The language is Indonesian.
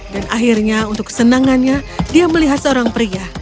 dan akhirnya untuk kesenangannya dia melihat seorang pria